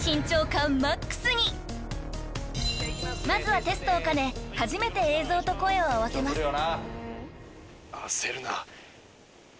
［まずはテストを兼ね初めて映像と声を合わせます］